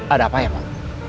ada apa ya pak